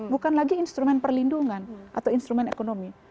bukan lagi instrumen perlindungan atau instrumen ekonomi